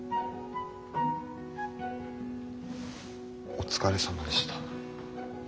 お疲れさまでした。